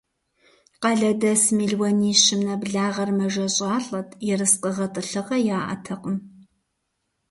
Къалэдэс мелуанищым нэблагъэр мэжэщӀалӀэт, ерыскъы гъэтӀылъыгъэ яӀэтэкъым.